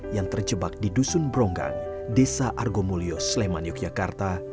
yang terjebak di dusun bronggang desa argomulyo sleman yogyakarta